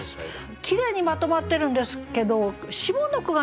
きれいにまとまってるんですけど下の句がね